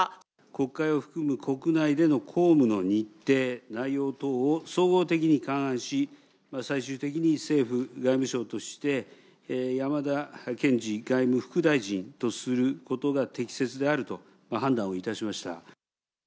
国会を含む国内での公務の日程、内容等を総合的に勘案し、最終的に政府外務省として、山田賢司外務副大臣とすることが適切であると判断をいたしました。